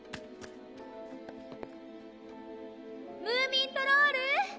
ムーミントロール！